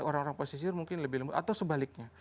orang orang pesisir mungkin lebih lembut atau sebaliknya